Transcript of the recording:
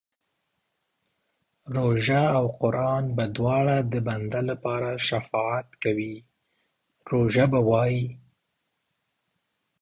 روژه او قران به دواړه د بنده لپاره شفاعت کوي، روژه به وايي